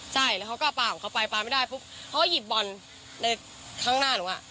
ใช่แล้วเขาก็เอาปลาของเขาไปปลาไม่ได้ปุ๊บเขาก็หยิบบอลในข้างหน้าหนูอ่ะ